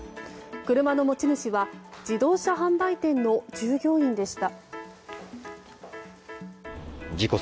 車の持ち主は自動車販売店の従業員でした。